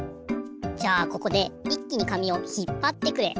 じゃあここでいっきに紙をひっぱってくれ。